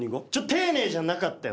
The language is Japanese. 丁寧じゃなかったよな。